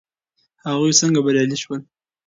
هغوی څنګه بریالي شول.